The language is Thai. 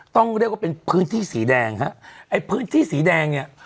ต้องเรียกว่าเป็นพื้นที่สีแดงฮะไอ้พื้นที่สีแดงเนี่ย